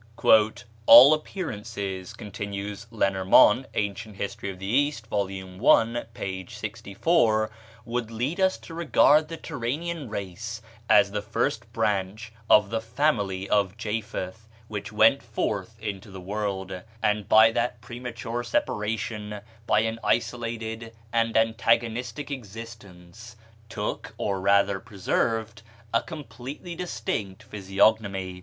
"All appearances," continues Lenormant ("Ancient History of the East," vol. i., p. 64), "would lead us to regard the Turanian race as the first branch of the family of Japheth which went forth into the world; and by that premature separation, by an isolated and antagonistic existence, took, or rather preserved, a completely distinct physiognomy....